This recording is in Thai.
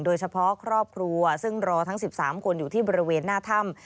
โดยเฉพาะครอบครัวซึ่งรอทั้ง๑๓คนอยู่ที่บริเวณหน้าถ้ำ